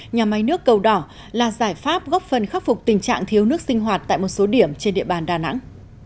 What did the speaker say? nhà máy nước cầu đỏ là giải pháp góp phần khắc phục tình trạng thiếu nước sinh hoạt tại một số điểm trên địa bàn đà nẵng